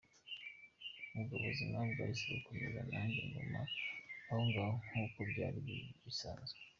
Ubwo ubuzima bwahise bukomeza nanjye nguma ahongaho, nk’uko byari bisanzwe.